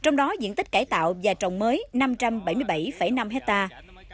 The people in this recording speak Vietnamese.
trong đó diện tích cải tạo và trồng mới năm trăm bảy mươi bảy năm hectare